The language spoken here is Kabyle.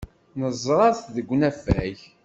Neẓra-t deg unafag.